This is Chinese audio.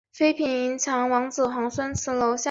拆除破坏警方架设之拒马